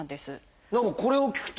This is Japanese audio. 何かこれを聞くと。